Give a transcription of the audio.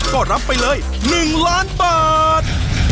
ก็รับไปเลย๑ล้านบาท